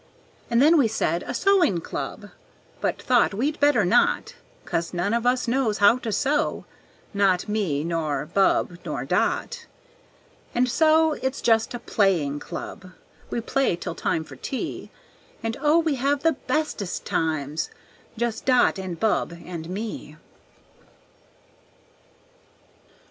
And then we said a Sewing Club, But thought we'd better not; 'Cause none of us knows how to sew Not me nor Bub nor Dot. And so it's just a Playing Club, We play till time for tea; And, oh, we have the bestest times! Just Dot and Bub and me.